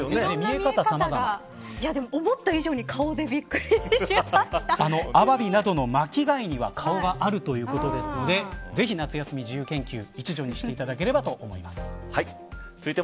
でも思った以上に顔でアワビなどの巻き貝には顔があるということですのでぜひ、夏休み自由研究一助にしていただければと思います。